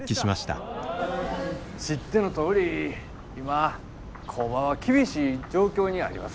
知ってのとおり今工場は厳しい状況にあります。